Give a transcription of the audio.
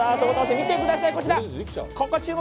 見てください、こちら、ここ、注目。